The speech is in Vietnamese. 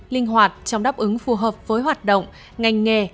linh hoạt trong đáp ứng phù hợp với hoạt động ngành nghề